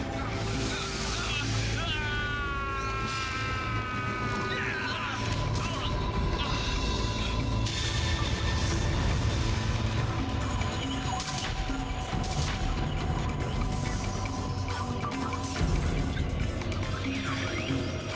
kau rupanya menjadi penyakit